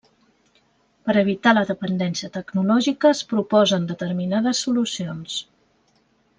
Per evitar la dependència tecnològica, es proposen determinades solucions.